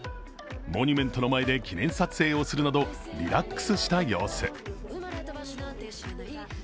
モニュメントの前で記念撮影をするなど、リラックスした様子。